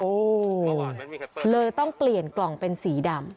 โอ้โหเลยต้องเปลี่ยนกล่องเป็นสีดำ